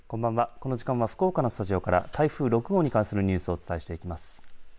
この時間は福岡のスタジオから台風６号に関するニュースをお伝えしていきます。